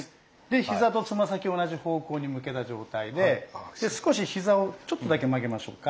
膝とつま先同じ方向に向けた状態で少し膝をちょっとだけ曲げましょうか。